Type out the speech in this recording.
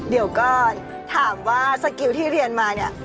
เดี๋ยวก็ถามว่าสกิลที่เรียนมาเนี่ย